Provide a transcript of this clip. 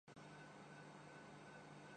تو اس کا بنیادی سبب ایک ہی ہے۔